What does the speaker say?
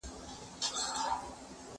زه بايد کښېناستل وکړم؟!